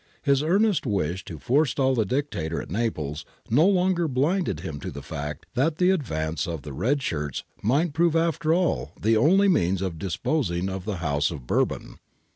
His earnest wish to forestall the Dictator at Naples no longer blinded him to the fact that the advance of the red shirts might prove after all the only means of deposing the House of Bourbon.